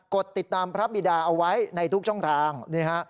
ดติดตามพระบิดาเอาไว้ในทุกช่องทางนี่ฮะ